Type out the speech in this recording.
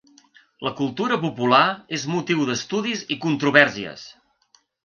La cultura popular és motiu d’estudis i controvèrsies.